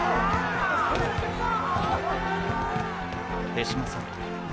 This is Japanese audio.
手嶋さん。？